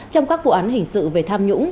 trong các vụ án hình sự về tham nhũng